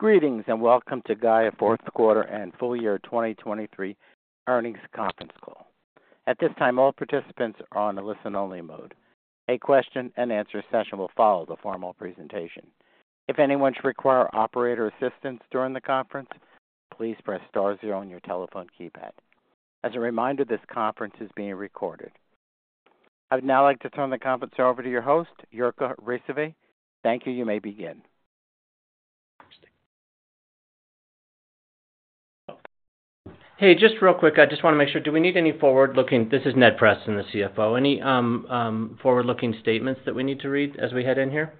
Greetings and welcome to Gaia fourth quarter and full year 2023 earnings conference call. At this time, all participants are on a listen-only mode. A question-and-answer session will follow the formal presentation. If anyone should require operator assistance during the conference, please press star zero on your telephone keypad. As a reminder, this conference is being recorded. I would now like to turn the conference over to your host, Jirka Rysavy. Thank you. You may begin. Hey, just real quick, I just want to make sure, do we need any forward-looking—this is Ned Preston, the CFO—any forward-looking statements that we need to read as we head in here?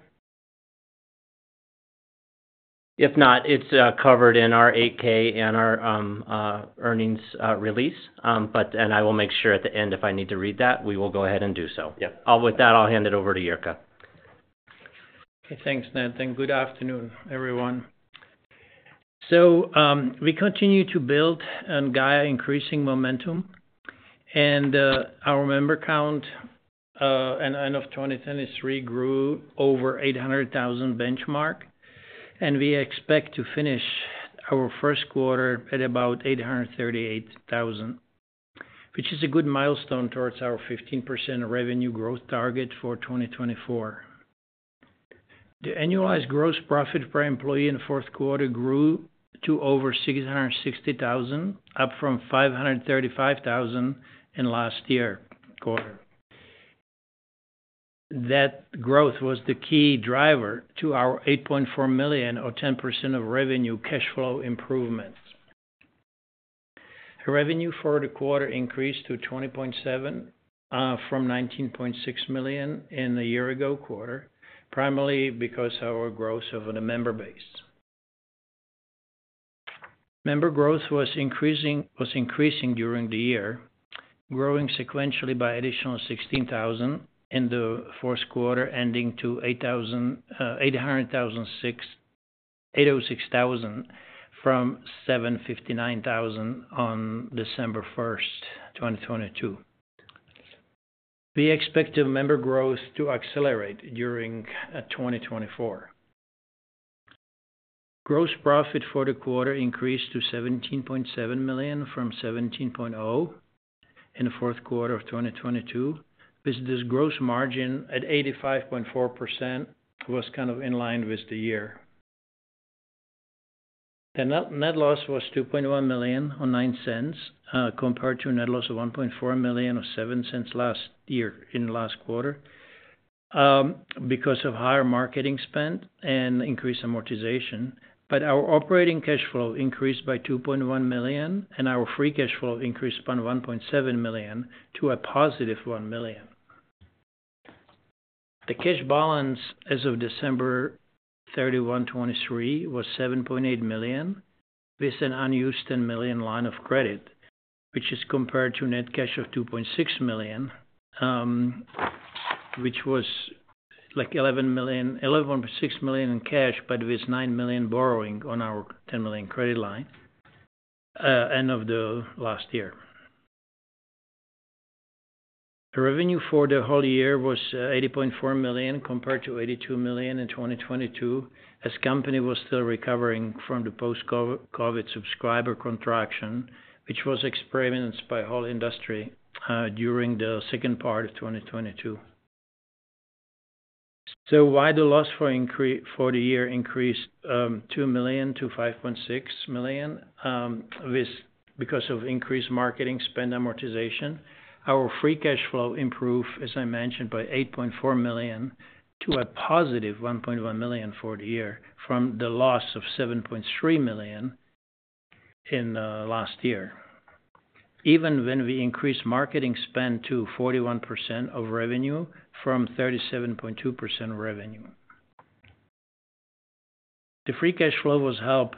If not, it's covered in our 8-K and our earnings release, and I will make sure at the end if I need to read that, we will go ahead and do so. With that, I'll hand it over to Jirka. Okay. Thanks, Ned. Then good afternoon, everyone. So we continue to build Gaia increasing momentum, and our member count at the end of 2023 grew over 800,000 benchmark, and we expect to finish our first quarter at about 838,000, which is a good milestone towards our 15% revenue growth target for 2024. The annualized gross profit per employee in fourth quarter grew to over $660,000, up from $535,000 in last year's quarter. That growth was the key driver to our $8.4 million or 10% of revenue cash flow improvements. Revenue for the quarter increased to $20.7 million from $19.6 million in the year-ago quarter, primarily because of our growth of the member base. Member growth was increasing during the year, growing sequentially by additional 16,000 in the fourth quarter ending to 806,000 from 759,000 on December 1st, 2022. We expect member growth to accelerate during 2024. Gross profit for the quarter increased to $17.7 million from $17.0 million in the fourth quarter of 2022, with this gross margin at 85.4% was kind of in line with the year. The net loss was $2.1 million or $0.09 compared to net loss of $1.4 million or $0.07 last year in the last quarter because of higher marketing spend and increased amortization. But our operating cash flow increased by $2.1 million, and our free cash flow increased from $1.7 million to a +$1 million. The cash balance as of December 31, 2023, was $7.8 million with an unused $10 million line of credit, which is compared to net cash of $2.6 million, which was $11.6 million in cash but with $9 million borrowing on our $10 million credit line end of the last year. Revenue for the whole year was $80.4 million compared to $82 million in 2022 as the company was still recovering from the post-COVID subscriber contraction, which was experienced by the whole industry during the second part of 2022. So while the loss for the year increased $2 million-$5.6 million because of increased marketing spend amortization, our free cash flow improved, as I mentioned, by $8.4 million to a +$1.1 million for the year from the loss of $7.3 million in last year, even when we increased marketing spend to 41% of revenue from 37.2% revenue. The Free Cash Flow was helped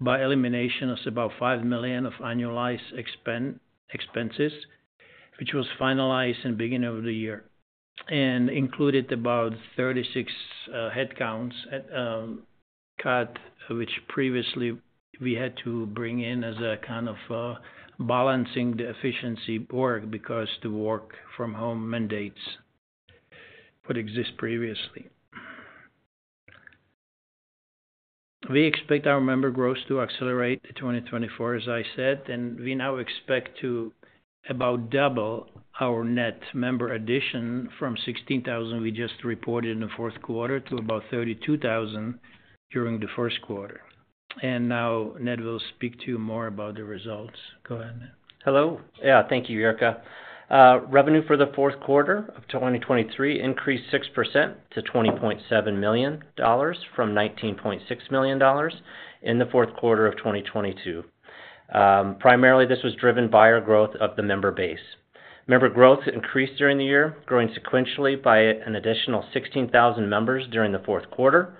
by elimination of about $5 million of annualized expenses, which was finalized in the beginning of the year and included about 36 headcounts cut, which previously we had to bring in as a kind of balancing the efficiency work because the work-from-home mandates would exist previously. We expect our member growth to accelerate in 2024, as I said, and we now expect to about double our net member addition from 16,000 we just reported in the fourth quarter to about 32,000 during the first quarter. And now, Ned, we'll speak to you more about the results. Go ahead, Ned. Hello. Yeah, thank you, Jirka. Revenue for the fourth quarter of 2023 increased 6% to $20.7 million from $19.6 million in the fourth quarter of 2022. Primarily, this was driven by our growth of the member base. Member growth increased during the year, growing sequentially by an additional 16,000 members during the fourth quarter,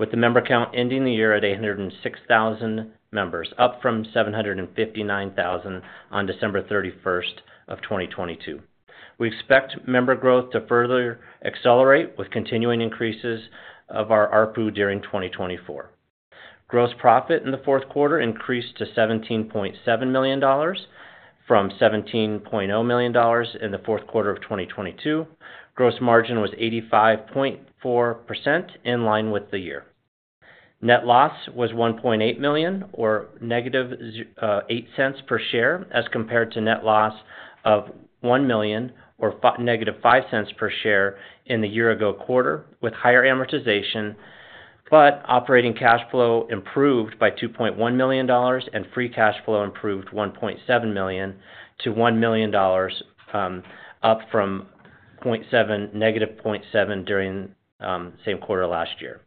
with the member count ending the year at 806,000 members, up from 759,000 on December 31st of 2022. We expect member growth to further accelerate with continuing increases of our ARPU during 2024. Gross profit in the fourth quarter increased to $17.7 million from $17.0 million in the fourth quarter of 2022. Gross margin was 85.4% in line with the year. Net loss was $1.8 million or -$0.08 per share as compared to net loss of $1 million or -$0.05 per share in the year-ago quarter, with higher amortization, but operating cash flow improved by $2.1 million and free cash flow improved $1.7 million-$1 million, up from -$0.7 million during same quarter last year.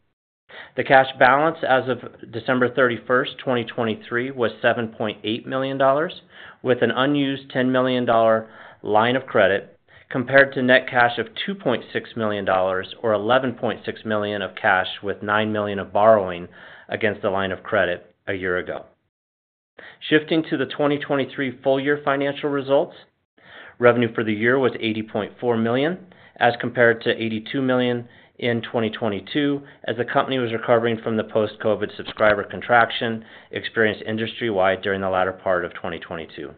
The cash balance as of December 31st, 2023, was $7.8 million, with an unused $10 million line of credit compared to net cash of $2.6 million or $11.6 million of cash with $9 million of borrowing against the line of credit a year ago. Shifting to the 2023 full year financial results, revenue for the year was $80.4 million as compared to $82 million in 2022 as the company was recovering from the post-COVID subscriber contraction experienced industry-wide during the latter part of 2022.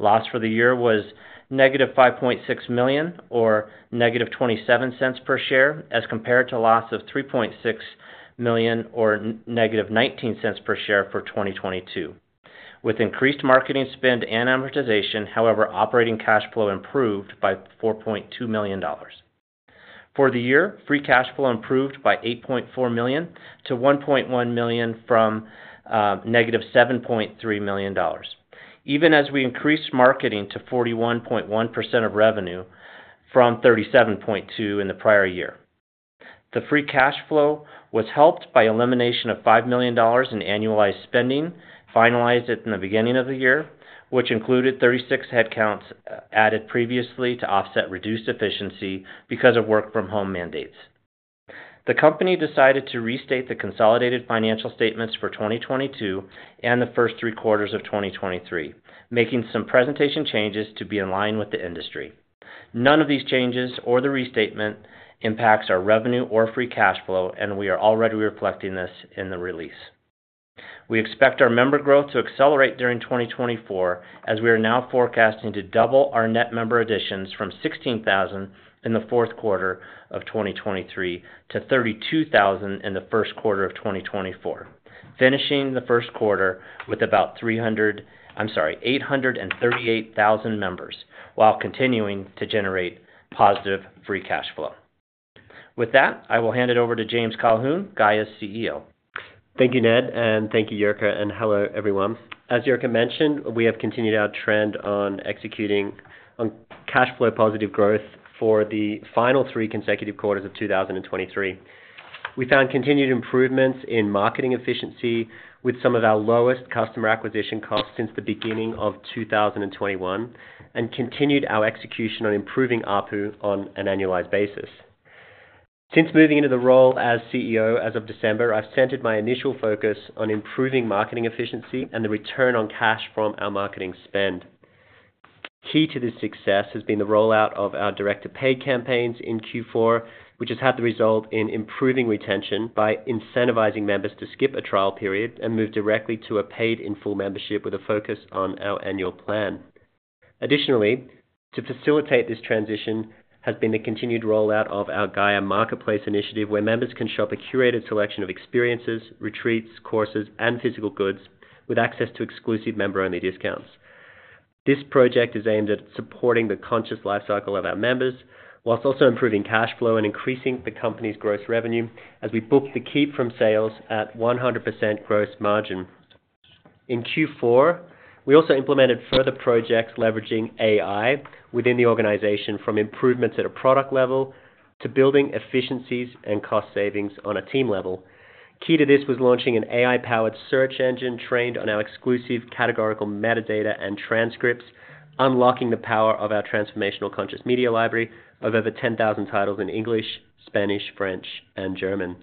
Loss for the year was -$5.6 million or -$0.27 per share as compared to loss of $3.6 million or -$0.19 per share for 2022, with increased marketing spend and amortization. However, operating cash flow improved by $4.2 million. For the year, free cash flow improved by $8.4 million-$1.1 million from -$7.3 million, even as we increased marketing to 41.1% of revenue from 37.2% in the prior year. The free cash flow was helped by elimination of $5 million in annualized spending finalized at the beginning of the year, which included 36 headcounts added previously to offset reduced efficiency because of work-from-home mandates. The company decided to restate the consolidated financial statements for 2022 and the first three quarters of 2023, making some presentation changes to be in line with the industry. None of these changes or the restatement impacts our revenue or free cash flow, and we are already reflecting this in the release. We expect our member growth to accelerate during 2024 as we are now forecasting to double our net member additions from 16,000 in the fourth quarter of 2023 to 32,000 in the first quarter of 2024, finishing the first quarter with about 838,000 members, while continuing to generate positive free cash flow. With that, I will hand it over to James Colquhoun, Gaia's CEO. Thank you, Ned. And thank you, Jirka. And hello, everyone. As Jirka mentioned, we have continued our trend on executing cash flow positive growth for the final three consecutive quarters of 2023. We found continued improvements in marketing efficiency with some of our lowest customer acquisition costs since the beginning of 2021 and continued our execution on improving ARPU on an annualized basis. Since moving into the role as CEO as of December, I've centered my initial focus on improving marketing efficiency and the return on cash from our marketing spend. Key to this success has been the rollout of our direct paid campaigns in Q4, which has had the result in improving retention by incentivizing members to skip a trial period and move directly to a paid-in-full membership with a focus on our annual plan. Additionally, to facilitate this transition has been the continued rollout of our Gaia Marketplace initiative, where members can shop a curated selection of experiences, retreats, courses, and physical goods with access to exclusive member-only discounts. This project is aimed at supporting the conscious lifecycle of our members while also improving cash flow and increasing the company's gross revenue as we booked the revenue from sales at 100% gross margin. In Q4, we also implemented further projects leveraging AI within the organization from improvements at a product level to building efficiencies and cost savings on a team level. Key to this was launching an AI-powered search engine trained on our exclusive categorical metadata and transcripts, unlocking the power of our transformational conscious media library of over 10,000 titles in English, Spanish, French, and German.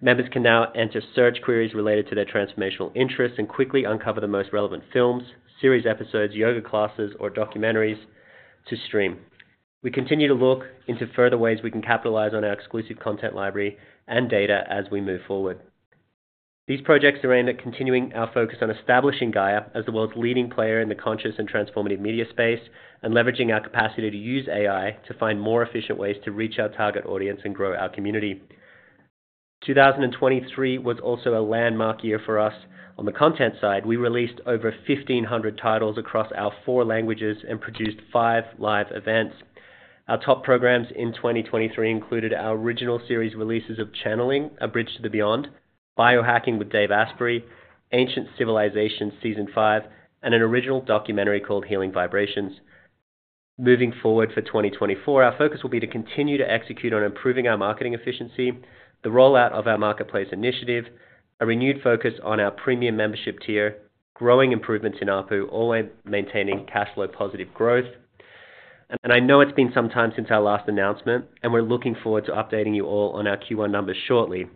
Members can now enter search queries related to their transformational interests and quickly uncover the most relevant films, series episodes, yoga classes, or documentaries to stream. We continue to look into further ways we can capitalize on our exclusive content library and data as we move forward. These projects are aimed at continuing our focus on establishing Gaia as the world's leading player in the conscious and transformative media space and leveraging our capacity to use AI to find more efficient ways to reach our target audience and grow our community. 2023 was also a landmark year for us. On the content side, we released over 1,500 titles across our four languages and produced five live events. Our top programs in 2023 included our original series releases of Channeling: A Bridge to the Beyond, Biohacking with Dave Asprey, Ancient Civilizations Season 5, and an original documentary called Healing Vibrations. Moving forward for 2024, our focus will be to continue to execute on improving our marketing efficiency, the rollout of our Marketplace initiative, a renewed focus on our premium membership tier, growing improvements in ARPU, always maintaining cash flow positive growth. I know it's been some time since our last announcement, and we're looking forward to updating you all on our Q1 numbers shortly.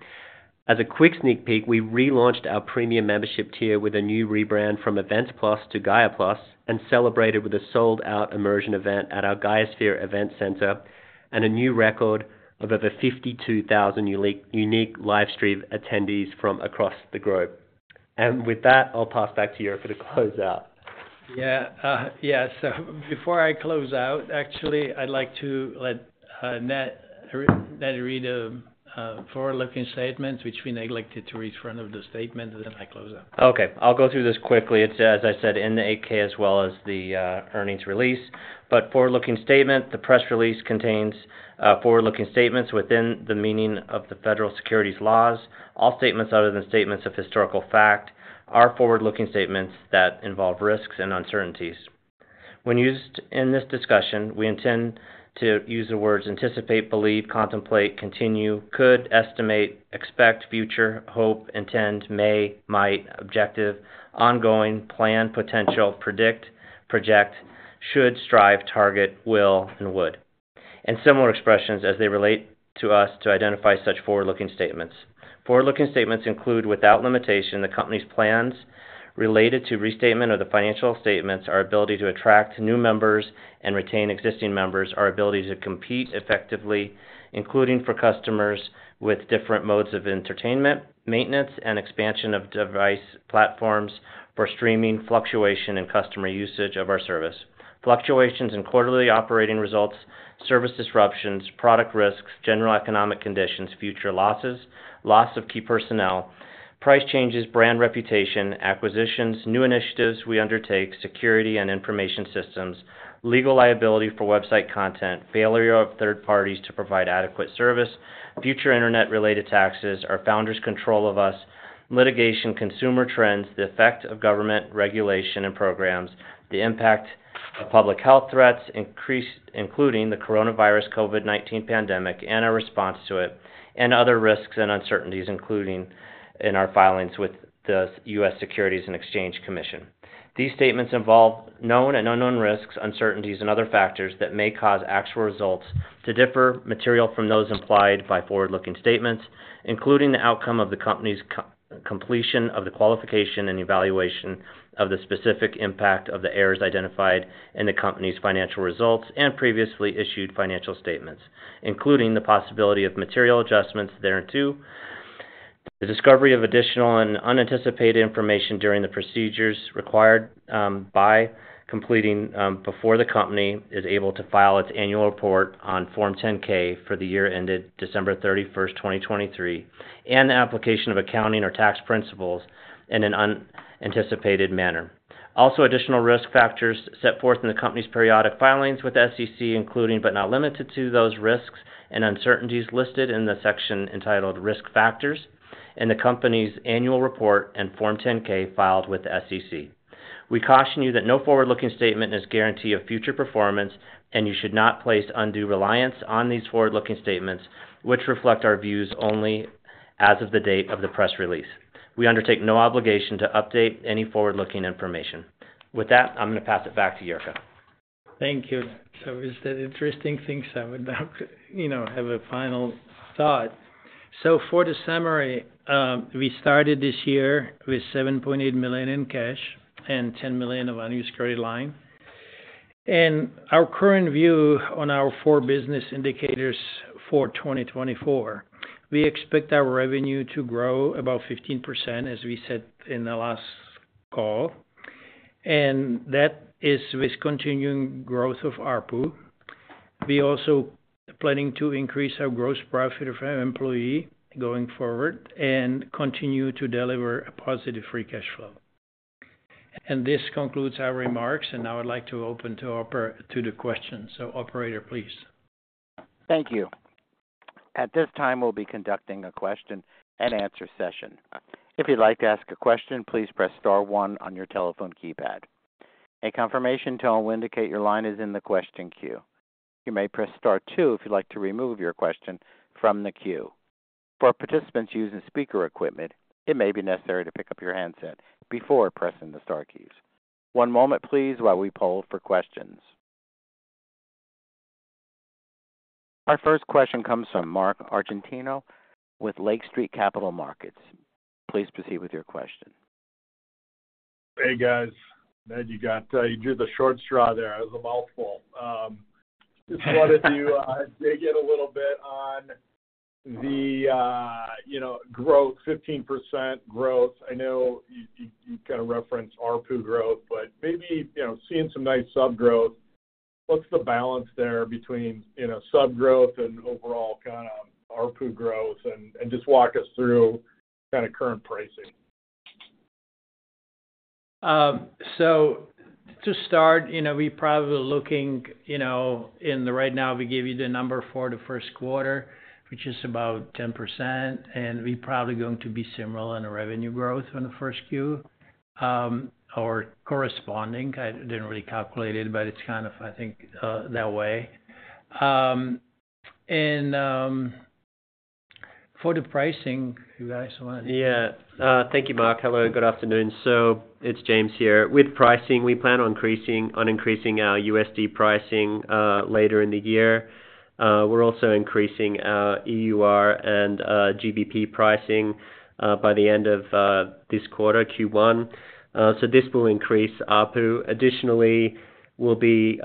As a quick sneak peek, we relaunched our premium membership tier with a new rebrand from Events Plus to Gaia Plus and celebrated with a sold-out immersion event at our GaiaSphere Event Center and a new record of over 52,000 unique livestream attendees from across the globe. With that, I'll pass back to Jirka to close out. Yeah. Yeah. So before I close out, actually, I'd like to let Ned read a forward-looking statement, which we neglected to read up front, the statement, and then I close out. Okay. I'll go through this quickly. It's, as I said, in the 8-K as well as the earnings release. But forward-looking statement, the press release contains forward-looking statements within the meaning of the federal securities laws. All statements other than statements of historical fact are forward-looking statements that involve risks and uncertainties. When used in this discussion, we intend to use the words anticipate, believe, contemplate, continue, could, estimate, expect, future, hope, intend, may, might, objective, ongoing, plan, potential, predict, project, should, strive, target, will, and would, and similar expressions as they relate to us to identify such forward-looking statements. Forward-looking statements include, without limitation, the company's plans related to restatement of the financial statements, our ability to attract new members and retain existing members, our ability to compete effectively, including for customers with different modes of entertainment, maintenance, and expansion of device platforms for streaming, fluctuation, and customer usage of our service, fluctuations in quarterly operating results, service disruptions, product risks, general economic conditions, future losses, loss of key personnel, price changes, brand reputation, acquisitions, new initiatives we undertake, security and information systems, legal liability for website content, failure of third parties to provide adequate service, future internet-related taxes, our founders' control of us, litigation, consumer trends, the effect of government regulation and programs, the impact of public health threats, including the coronavirus COVID-19 pandemic and our response to it, and other risks and uncertainties, including in our filings with the U.S. Securities and Exchange Commission. These statements involve known and unknown risks, uncertainties, and other factors that may cause actual results to differ materially from those implied by forward-looking statements, including the outcome of the company's completion of the quantification and evaluation of the specific impact of the errors identified in the company's financial results and previously issued financial statements, including the possibility of material adjustments thereto. The discovery of additional and unanticipated information during the procedures required by completing before the company is able to file its annual report on Form 10-K for the year ended December 31st, 2023, and the application of accounting or tax principles in an unanticipated manner. Also, additional risk factors set forth in the company's periodic filings with the SEC, including but not limited to those risks and uncertainties listed in the section entitled Risk Factors in the company's annual report on Form 10-K filed with the SEC. We caution you that no forward-looking statement is a guarantee of future performance, and you should not place undue reliance on these forward-looking statements, which reflect our views only as of the date of the press release. We undertake no obligation to update any forward-looking information. With that, I'm going to pass it back to Jirka. Thank you. It's an interesting thing. I would now have a final thought. For the summary, we started this year with $7.8 million in cash and $10 million of unused credit line. Our current view on our four business indicators for 2024, we expect our revenue to grow about 15%, as we said in the last call. That is with continuing growth of ARPU. We are also planning to increase our gross profit per employee going forward and continue to deliver a positive free cash flow. This concludes our remarks. Now I'd like to open to the questions. Operator, please. Thank you. At this time, we'll be conducting a question-and-answer session. If you'd like to ask a question, please press star one on your telephone keypad. A confirmation tone will indicate your line is in the question queue. You may press star two if you'd like to remove your question from the queue. For participants using speaker equipment, it may be necessary to pick up your handset before pressing the star keys. One moment, please, while we poll for questions. Our first question comes from Mark Argento with Lake Street Capital Markets. Please proceed with your question. Hey, guys. Ned, you drew the short straw there. It was a mouthful. Just wanted to dig in a little bit on the growth, 15% growth. I know you kind of referenced ARPU growth, but maybe seeing some nice subgrowth, what's the balance there between subgrowth and overall kind of ARPU growth? And just walk us through kind of current pricing. So to start, we're probably looking at right now. We give you the number for the first quarter, which is about 10%. And we're probably going to be similar in revenue growth in the first Q or corresponding. I didn't really calculate it, but it's kind of, I think, that way. And for the pricing, you guys want to? Yeah. Thank you, Mark. Hello. Good afternoon. So it's James here. With pricing, we plan on increasing our USD pricing later in the year. We're also increasing our EUR and GBP pricing by the end of this quarter, Q1. So this will increase ARPU. Additionally, we'll be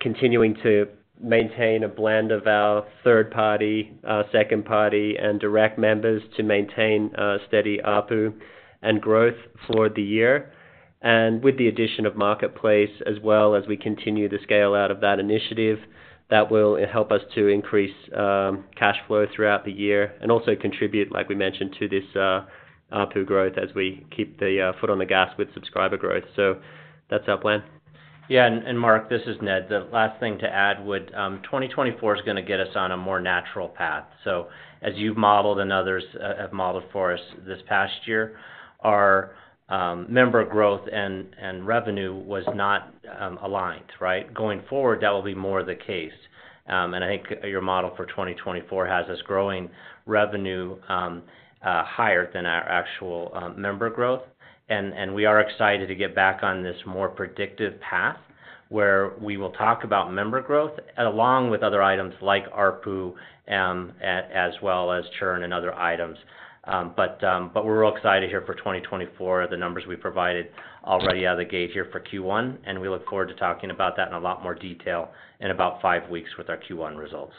continuing to maintain a blend of our third-party, second-party, and direct members to maintain steady ARPU and growth for the year. And with the addition of Marketplace as well as we continue the scale-out of that initiative, that will help us to increase cash flow throughout the year and also contribute, like we mentioned, to this ARPU growth as we keep the foot on the gas with subscriber growth. So that's our plan. Yeah. Mark, this is Ned. The last thing to add: 2024 is going to get us on a more natural path. As you've modeled and others have modeled for us this past year, our member growth and revenue was not aligned, right? Going forward, that will be more the case. I think your model for 2024 has us growing revenue higher than our actual member growth. We are excited to get back on this more predictive path where we will talk about member growth along with other items like ARPU as well as churn and other items. We're real excited here for 2024, the numbers we provided already out of the gate here for Q1. We look forward to talking about that in a lot more detail in about five weeks with our Q1 results.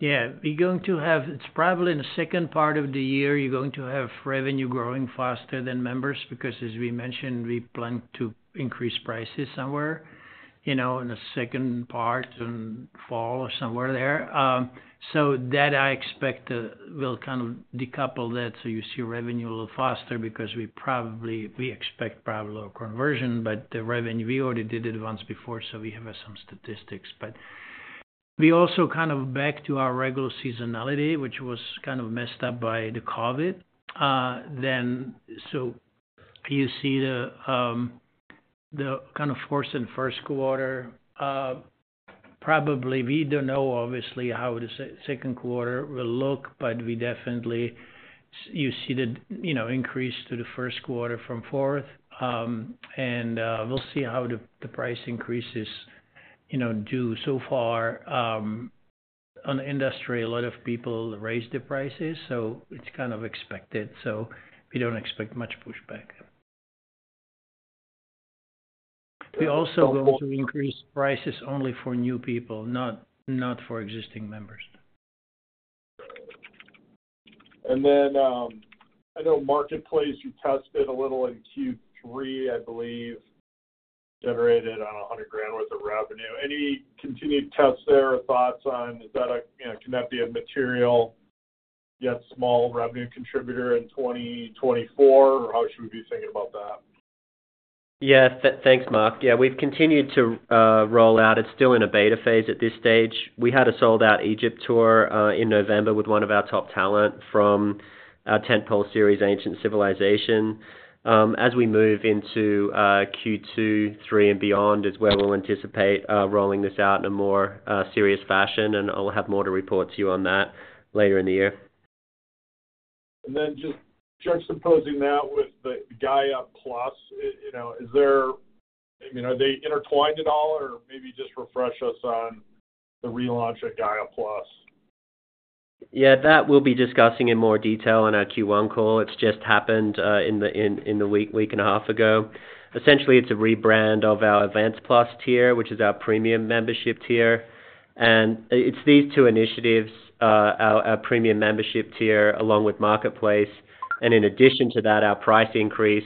Yeah. We're going to have. It's probably in the second part of the year, you're going to have revenue growing faster than members because, as we mentioned, we plan to increase prices somewhere in the second part in fall or somewhere there. So that I expect will kind of decouple that so you see revenue a little faster because we expect probably lower conversion. But the revenue, we already did it once before, so we have some statistics. But we also kind of back to our regular seasonality, which was kind of messed up by the COVID. So you see the kind of fourth in first quarter. Probably we don't know, obviously, how the second quarter will look, but we definitely you see the increase to the first quarter from fourth. And we'll see how the price increases do. So far, on industry, a lot of people raised the prices, so it's kind of expected. So we don't expect much pushback. We also go to increase prices only for new people, not for existing members. And then I know Marketplace, you tested a little in Q3, I believe, generated $100,000 worth of revenue. Any continued tests there or thoughts on can that be a material yet small revenue contributor in 2024, or how should we be thinking about that? Yeah. Thanks, Mark. Yeah. We've continued to roll out. It's still in a beta phase at this stage. We had a sold-out Egypt tour in November with one of our top talent from our tentpole series, Ancient Civilizations. As we move into Q2, Q3, and beyond is where we'll anticipate rolling this out in a more serious fashion. I'll have more to report to you on that later in the year. And then, just juxtaposing that with the Gaia Plus, is there, I mean, are they intertwined at all, or maybe just refresh us on the relaunch of Gaia Plus? Yeah. That we'll be discussing in more detail on our Q1 call. It's just happened a week and a half ago. Essentially, it's a rebrand of our Events Plus tier, which is our premium membership tier. And it's these two initiatives, our premium membership tier along with Marketplace, and in addition to that, our price increase,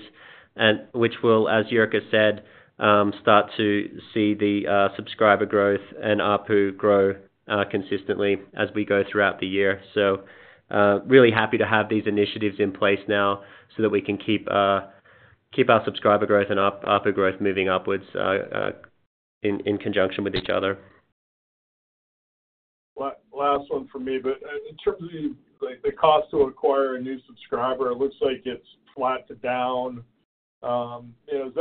which will, as Jirka said, start to see the subscriber growth and ARPU grow consistently as we go throughout the year. So really happy to have these initiatives in place now so that we can keep our subscriber growth and ARPU growth moving upwards in conjunction with each other. Last one from me. But in terms of the cost to acquire a new subscriber, it looks like it's flat to down. Is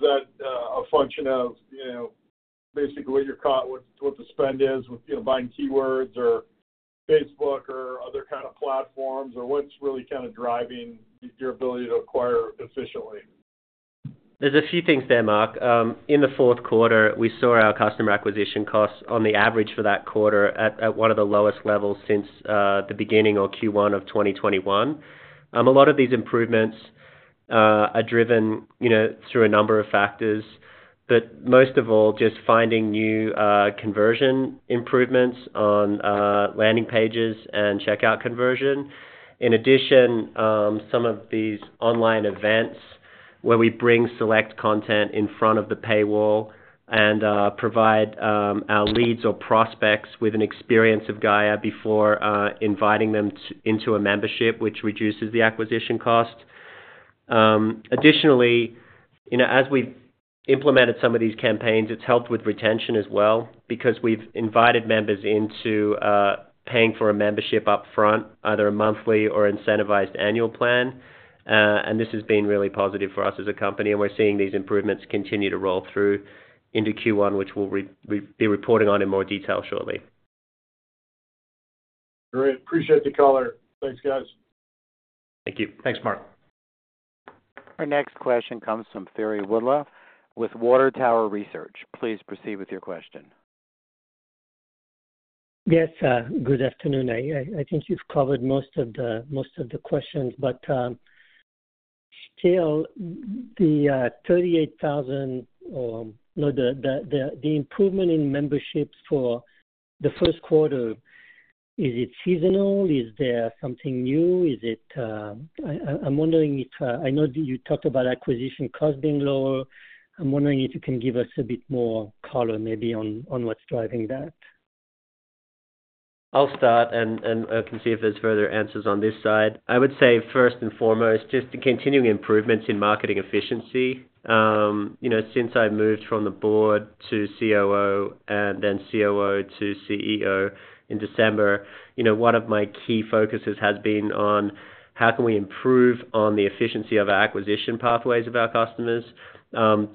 that a function of basically what the spend is with buying keywords or Facebook or other kind of platforms, or what's really kind of driving your ability to acquire efficiently? There's a few things there, Mark. In the fourth quarter, we saw our customer acquisition costs on the average for that quarter at one of the lowest levels since the beginning or Q1 of 2021. A lot of these improvements are driven through a number of factors, but most of all, just finding new conversion improvements on landing pages and checkout conversion. In addition, some of these online events where we bring select content in front of the paywall and provide our leads or prospects with an experience of Gaia before inviting them into a membership, which reduces the acquisition cost. Additionally, as we've implemented some of these campaigns, it's helped with retention as well because we've invited members into paying for a membership upfront, either a monthly or incentivized annual plan. And this has been really positive for us as a company. We're seeing these improvements continue to roll through into Q1, which we'll be reporting on in more detail shortly. Great. Appreciate the caller. Thanks, guys. Thank you. Thanks, Mark. Our next question comes from Thierry Wuilloud with Water Tower Research. Please proceed with your question. Yes. Good afternoon. I think you've covered most of the questions. But still, the 38,000 or no, the improvement in memberships for the first quarter, is it seasonal? Is there something new? I'm wondering if I know you talked about acquisition costs being lower. I'm wondering if you can give us a bit more color, maybe, on what's driving that. I'll start. I can see if there's further answers on this side. I would say, first and foremost, just the continuing improvements in marketing efficiency. Since I moved from the board to COO and then COO to CEO in December, one of my key focuses has been on how can we improve on the efficiency of our acquisition pathways of our customers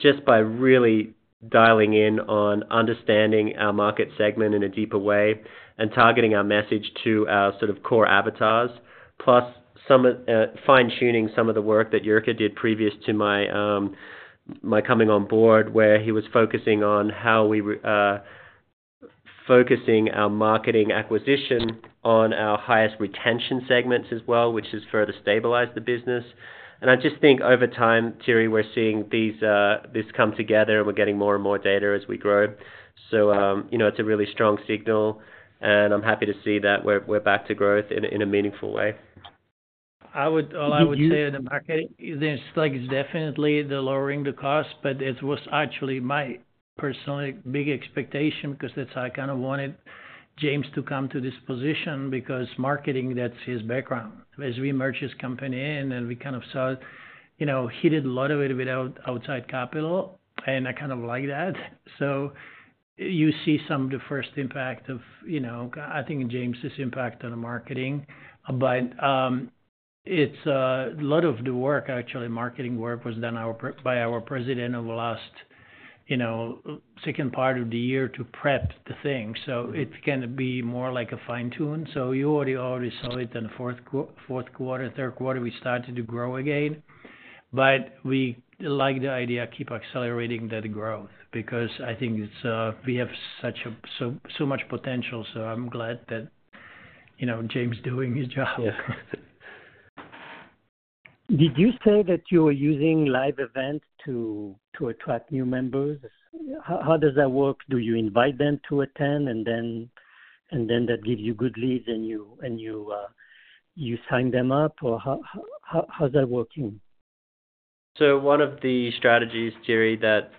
just by really dialing in on understanding our market segment in a deeper way and targeting our message to our sort of core avatars. Plus fine-tuning some of the work that Jirka did previous to my coming on board where he was focusing on how we were focusing our marketing acquisition on our highest retention segments as well, which has further stabilized the business. And I just think over time, Thierry, we're seeing this come together, and we're getting more and more data as we grow. It's a really strong signal. I'm happy to see that we're back to growth in a meaningful way. All I would say on the market is there's definitely the lowering the cost. But it was actually my personal big expectation because that's how I kind of wanted James to come to this position because marketing, that's his background. As we merged his company in, and we kind of saw he did a lot of it without outside capital. And I kind of like that. So you see some of the first impact of I think James's impact on the marketing. But it's a lot of the work, actually, marketing work, was done by our president over the last second part of the year to prep the thing. So it can be more like a fine-tune. So you already saw it in the fourth quarter. Third quarter, we started to grow again. But we like the idea of keep accelerating that growth because I think we have so much potential. So I'm glad that James is doing his job. Yeah. Did you say that you were using live events to attract new members? How does that work? Do you invite them to attend, and then that gives you good leads, and you sign them up, or how's that working? So one of the strategies, Thierry, that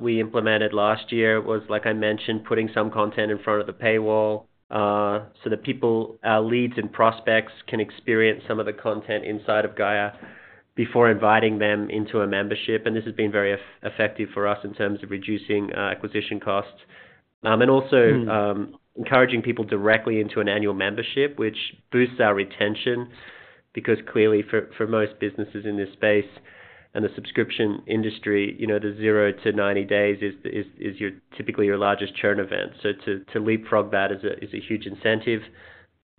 we implemented last year was, like I mentioned, putting some content in front of the paywall so that our leads and prospects can experience some of the content inside of Gaia before inviting them into a membership. And this has been very effective for us in terms of reducing acquisition costs and also encouraging people directly into an annual membership, which boosts our retention because, clearly, for most businesses in this space and the subscription industry, the 0-90 days is typically your largest churn event. So to leapfrog that is a huge incentive.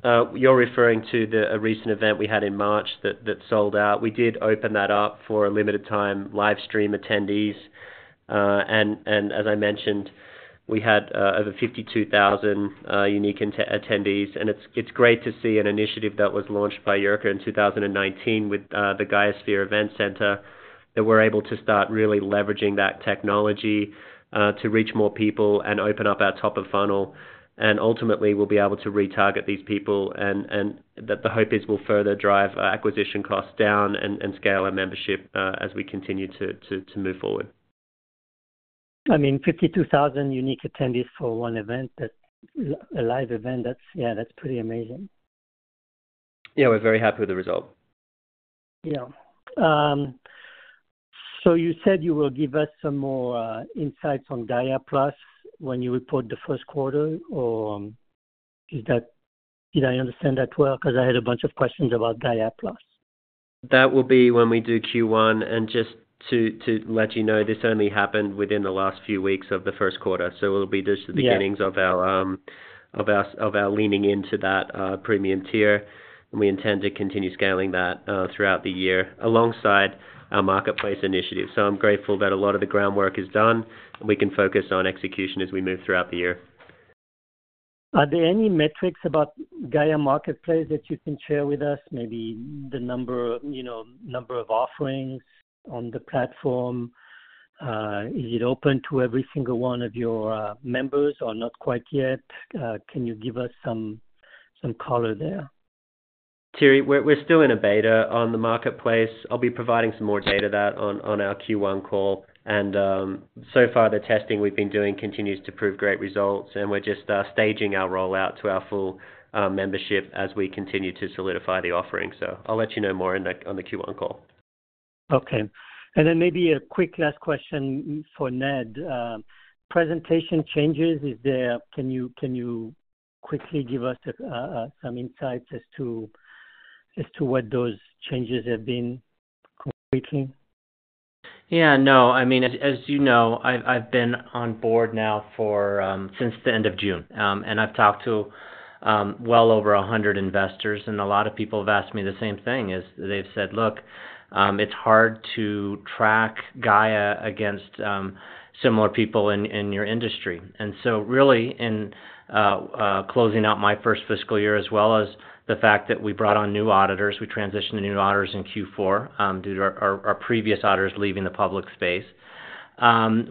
You're referring to a recent event we had in March that sold out. We did open that up for a limited time live stream attendees. And as I mentioned, we had over 52,000 unique attendees. It's great to see an initiative that was launched by Jirka in 2019 with the GaiaSphere Event Center that we're able to start really leveraging that technology to reach more people and open up our top-of-funnel. Ultimately, we'll be able to retarget these people. The hope is we'll further drive acquisition costs down and scale our membership as we continue to move forward. I mean, 52,000 unique attendees for one live event, yeah, that's pretty amazing. Yeah. We're very happy with the result. Yeah. So you said you will give us some more insights on Gaia Plus when you report the first quarter, or did I understand that well? Because I had a bunch of questions about Gaia Plus. That will be when we do Q1. And just to let you know, this only happened within the last few weeks of the first quarter. So it'll be just the beginnings of our leaning into that premium tier. And we intend to continue scaling that throughout the year alongside our Marketplace initiative. So I'm grateful that a lot of the groundwork is done, and we can focus on execution as we move throughout the year. Are there any metrics about Gaia Marketplace that you can share with us, maybe the number of offerings on the platform? Is it open to every single one of your members or not quite yet? Can you give us some color there? Thierry, we're still in a beta on the Marketplace. I'll be providing some more data to that on our Q1 call. And we're just staging our rollout to our full membership as we continue to solidify the offering. So I'll let you know more on the Q1 call. Okay. And then maybe a quick last question for Ned. Presentation changes, can you quickly give us some insights as to what those changes have been completely? Yeah. No. I mean, as you know, I've been on board now since the end of June. And I've talked to well over 100 investors. And a lot of people have asked me the same thing. They've said, "Look, it's hard to track Gaia against similar people in your industry." And so really, in closing out my first fiscal year as well as the fact that we brought on new auditors, we transitioned to new auditors in Q4 due to our previous auditors leaving the public space,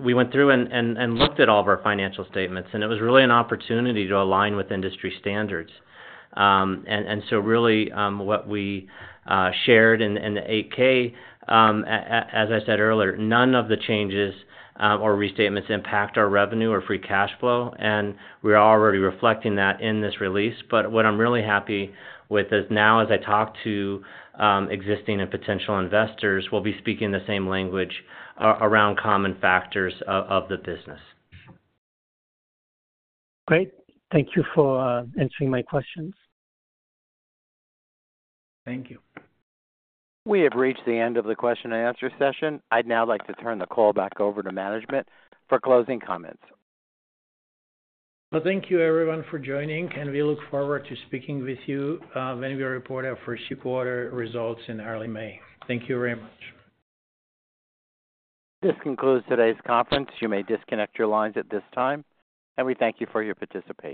we went through and looked at all of our financial statements. And it was really an opportunity to align with industry standards. And so really, what we shared in the 8-K, as I said earlier, none of the changes or restatements impact our revenue or free cash flow. And we are already reflecting that in this release. But what I'm really happy with is now, as I talk to existing and potential investors, we'll be speaking the same language around common factors of the business. Great. Thank you for answering my questions. Thank you. We have reached the end of the question and answer session. I'd now like to turn the call back over to management for closing comments. Well, thank you, everyone, for joining. We look forward to speaking with you when we report our first quarter results in early May. Thank you very much. This concludes today's conference. You may disconnect your lines at this time. We thank you for your participation.